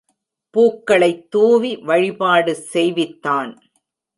பூக்களைத் தூவி வழிபாடு செய் வித்தான்.